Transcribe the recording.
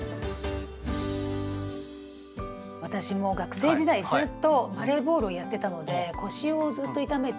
私もう学生時代ずっとバレーボールをやってたので腰をずっと痛めてて。